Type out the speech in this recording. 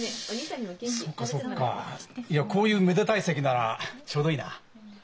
いやこういうめでたい席ならちょうどいいな。